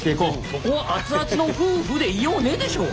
そこは「熱々の夫婦でいようね」でしょ！